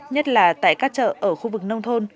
nhất là tại các chợ ở khu vực nông thôn